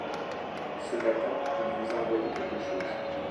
Ce matin, il vous a envoyé quelque chose.